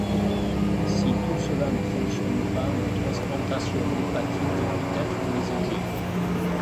Si tout cela ne fonctionne pas, une transplantation hépatique peut être envisagée.